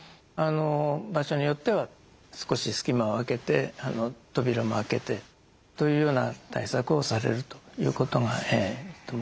場所によっては少し隙間を空けて扉も開けてというような対策をされるということがいいと思います。